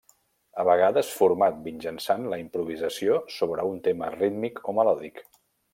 A vegades format mitjançant la improvisació sobre un tema rítmic o melòdic.